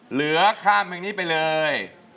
เหลือข้ามเพลงนี้ไปเลย